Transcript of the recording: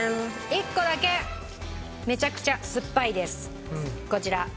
１個だけめちゃくちゃすっぱいですこちら。